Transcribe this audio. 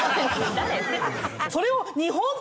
誰？